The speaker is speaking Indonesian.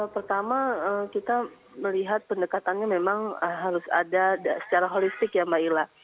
pertama kita melihat pendekatannya memang harus ada secara holistik ya mbak ila